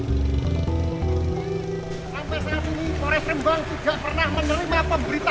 kekayaan alam kars di pegunungan kendeng tidak surut mendapat tekanan dari rencana pembangunan pabrik sepeda